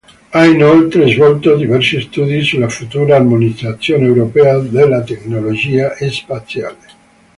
Ha inoltre svolto diversi studi sulla futura armonizzazione europea della tecnologia spaziale.